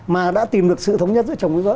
mà đã tìm được sự thống nhất giữa chồng với vợ